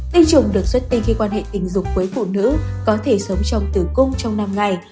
tinh trùng được xuất tinh khi quan hệ tình dục với phụ nữ có thể sống trong tử cung trong năm ngày